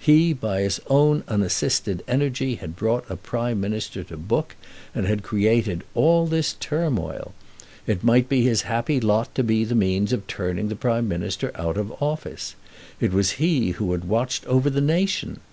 He by his own unassisted energy had brought a Prime Minister to book, and had created all this turmoil. It might be his happy lot to be the means of turning that Prime Minister out of office. It was he who had watched over the nation!